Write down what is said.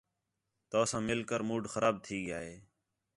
تَو ساں مِل کر مُوڈ خراب تھی ڳِیا ہے